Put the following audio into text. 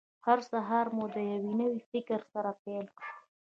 هر سهار مو د یوه نوي فکر سره پیل کړئ.